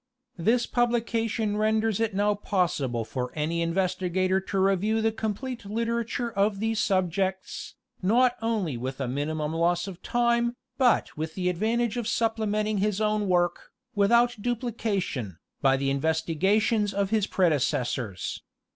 This publication renders it now possi ble for any investigator to review the complete literature of these subjects, not only with a minimum loss of time, but with the advantage of supplementing his own work, without duplica tion, by the investigations of his predecessors.